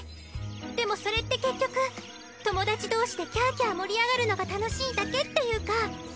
でもそれって結局友達同士でキャーキャー盛り上がるのが楽しいだけっていうか。